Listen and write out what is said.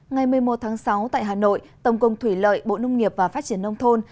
ngày một mươi một tháng sáu tại hà nội tổng công thủy lợi bộ nông nghiệp và phát triển nông thôn